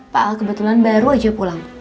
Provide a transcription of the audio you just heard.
pak al kebetulan baru aja pulang